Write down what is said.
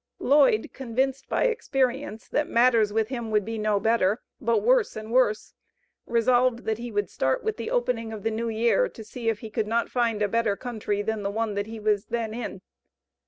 Lloyd, convinced by experience, that matters with him would be no better, but worse and worse, resolved that he would start with the opening of the New Year to see if he could not find a better country than the one that he was then in.